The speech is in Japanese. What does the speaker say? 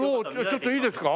ちょっといいですか？